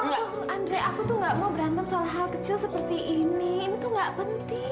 oh andre aku tuh gak mau berantem soal hal kecil seperti ini ini tuh gak penting